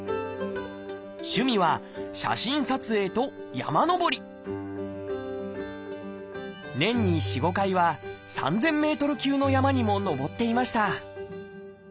趣味は写真撮影と山登り年に４５回は３，０００ｍ級の山にも登っていました